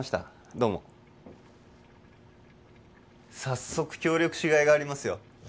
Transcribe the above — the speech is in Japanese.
どうも早速協力しがいがありますよ